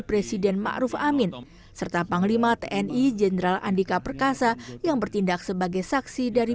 presiden ma'ruf amin serta panglima tni jenderal andika perkasa yang bertindak sebagai saksi dari